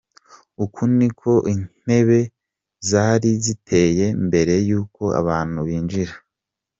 Uku niko intebe zari ziteye mbere y'uko abantu binjira.